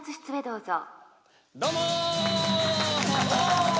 どうも。